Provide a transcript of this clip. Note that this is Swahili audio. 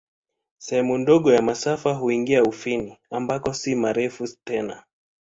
Sehemu ndogo ya masafa huingia Ufini, ambako si marefu tena.